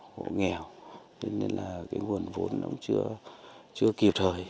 hộ nghèo hộ nghèo nên là cái nguồn vốn nó cũng chưa kịp thời